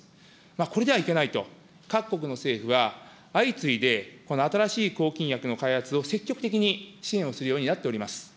これではいけないと、各国の政府が相次いでこの新しい抗菌薬の開発を積極的に支援をするようになっております。